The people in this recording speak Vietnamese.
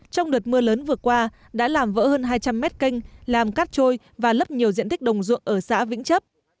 trong đợt mưa lớn vừa qua đã làm vỡ hơn hai trăm linh mét canh làm cát trôi và lấp nhiều diện tích đồng ruộng ở xã vĩnh chấp